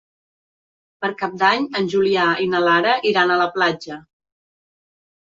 Per Cap d'Any en Julià i na Lara iran a la platja.